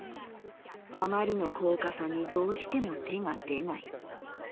あまりの高価さにどうしても手が出ない。